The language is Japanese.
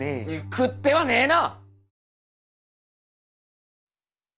食ってはねえな！